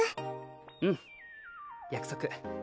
うん約束。